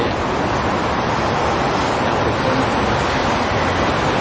อยากฝึกคุ้ม